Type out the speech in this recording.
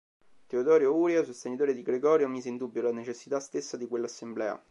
Teodoro Urie, sostenitore di Gregorio, mise in dubbio la necessità stessa di quell'assemblea.